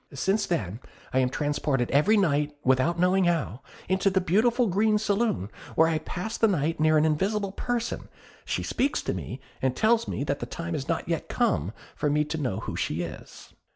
Since then, I am transported every night without knowing how, into the beautiful green saloon, where I pass the night near an invisible person; she speaks to me, and tells me that the time is not yet come for me to know who she is."